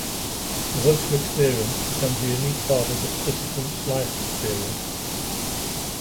The virtual experience becomes a unique part of the participants' life experience.